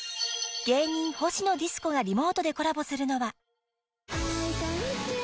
［芸人ほしのディスコがリモートでコラボするのは］